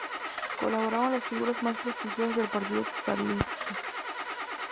Colaboraron las figuras más prestigiosas del partido carlista.